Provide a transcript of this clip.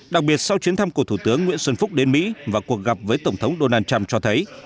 đặc biệt sau chuyến thăm của thủ tướng nguyễn xuân phúc đến mỹ và cuộc gặp với tổng thống donald trump cho thấy